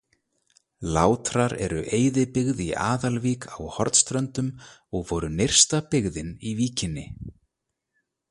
Látrar eru eyðibyggð í Aðalvík á Hornströndum og voru nyrsta byggðin í víkinni.